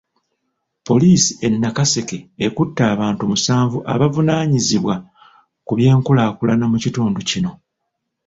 Poliisi e Nakaseke ekutte abantu musanvu abavunaanyizibwa ku by'enkulaakulana mu kitundu kino .